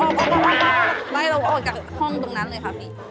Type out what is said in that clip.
ไม่เราก็ออกจากห้องตรงนั้นเลยค่ะพี่